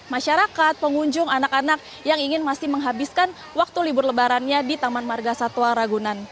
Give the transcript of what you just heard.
masyarakat pengunjung anak anak yang ingin masih menghabiskan waktu libur lebarannya di taman marga satwa ragunan